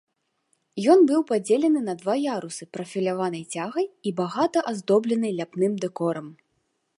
Ён быў падзелены на два ярусы прафіляванай цягай і багата аздоблены ляпным дэкорам.